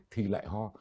thì lại ho